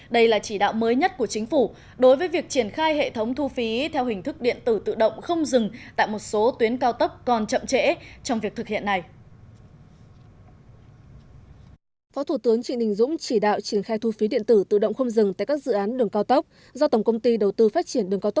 đây là chỉ đạo mới nhất của chính phủ đối với việc triển khai hệ thống thu phí theo hình thức điện tử tự động không dừng tại một số tuyến cao tốc còn chậm trễ trong việc thực hiện này